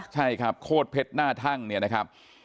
ใช่ครับโคตรเพชรหน้าทั่งเนี่ยนะครับ